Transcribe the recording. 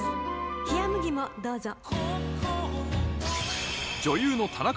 ひやむぎもどうぞ。